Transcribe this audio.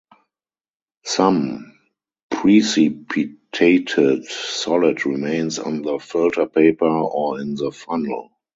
Some precipitated solid remains on the filter paper or in the funnel.